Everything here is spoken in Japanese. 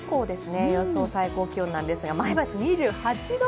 予想最高気温なんですが前橋２８度！？